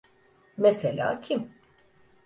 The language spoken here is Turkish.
Mesela kim?